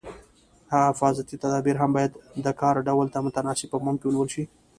حفاظتي تدابیر هم باید د کار ډول ته متناسب په پام کې ونیول شي.